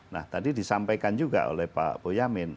nah tadi disampaikan juga oleh pak boyamin